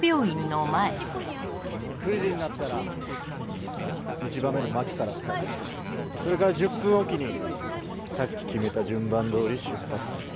９時になったら１番目の真紀からスタートしてそれから１０分おきにさっき決めた順番通り出発する。